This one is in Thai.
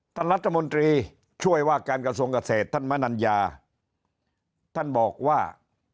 ท่านรัฐมนตรีช่วยว่าการกระทรวงเกษตรท่านมนัญญาท่านบอกว่า